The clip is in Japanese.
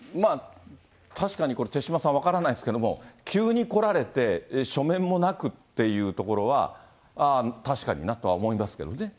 確かにこれ、手嶋さん、分からないですけども、急に来られて、書面もなくっていうところは、ああ、確かになとは思いますけどね。